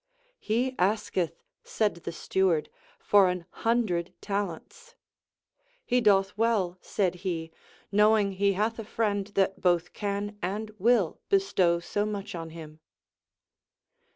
He asketh, said the steward, for an hundred talents. He doth well, said he, knowing he hath a friend that both can and will bestow so much on him.